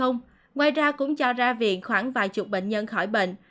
ngoài ra cũng cho ra viện khoảng vài chục bệnh nhân khỏi bệnh